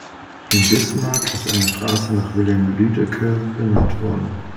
In Bismark ist eine Straße nach Wilhelm Lüdecke benannt worden.